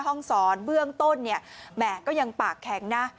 ห้องศรเบื้องต้นเนี่ยแหมก็ยังปากแข็งนะ